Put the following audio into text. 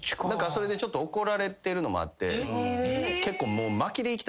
それでちょっと怒られてるのもあって結構。